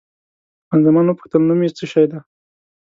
خان زمان وپوښتل، نوم یې څه شی دی؟